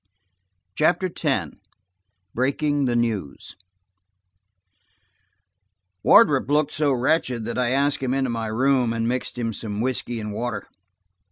CHAPTER X BREAKING THE NEWS WARDROP looked so wretched that I asked him into my room, and mixed him some whisky and water.